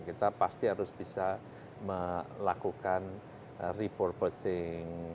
kita pasti harus bisa melakukan repurposting